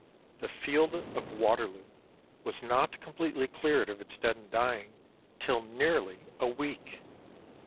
The field of Waterloo was not completely cleared of its dead and dying till nearly a week!